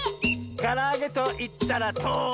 「からあげといったらとり！」